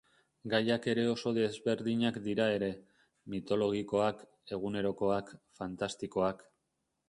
Gaiak ere oso desberdinak dira ere: mitologikoak, egunerokoak, fantastikoak.